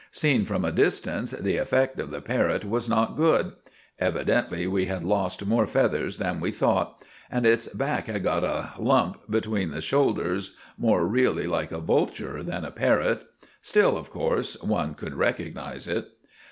Seen from a distance the effect of the parrot was not good. Evidently we had lost more feathers than we thought, and its back had got a lump between the shoulders, more really like a vulture than a parrot. Still, of course one could recognize it.